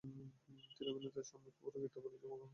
তিনি অভিনেতা শাম্মী কাপুর এবং গীতা বালির জন্মগ্রহণ করেছিলেন।